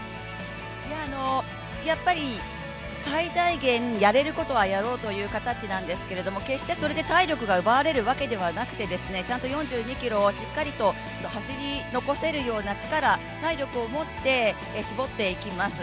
最大限、やれることはやろうという形なんですけど決してそれで体力が奪われるわけではなくてですねちゃんと４２ｋｍをしっかりと走り残せるような力、体力を持って絞っていきます。